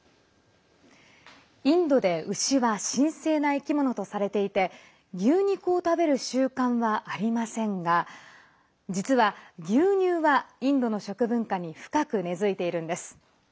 インドで牛は神聖な生き物とされていて牛肉を食べる習慣はありませんが実は、牛乳はインドの食文化に深く根づいているんです。